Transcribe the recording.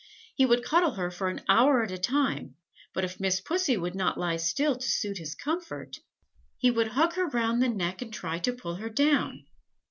He would cuddle her for an hour at a time, but if Miss Pussy would not lie still to suit his comfort, he would hug her round the neck and try to pull her down.